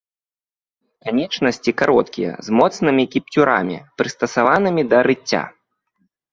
Канечнасці кароткія, з моцнымі кіпцюрамі, прыстасаванымі да рыцця.